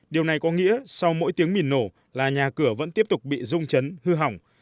điều này có nghĩa sau mỗi tiếng mìn nổ là nhà cửa vẫn tiếp tục bị rung chấn hư hỏng